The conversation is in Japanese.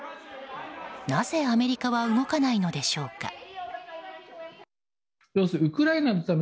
なぜ、アメリカは動かないのでしょうか。